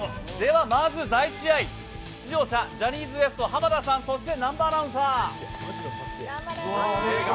まず第１試合、出場者、ジャニーズＷＥＳＴ濱田さん、そして南波アナウンサー。